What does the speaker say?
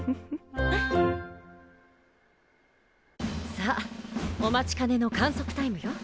さあお待ちかねの観測タイムよ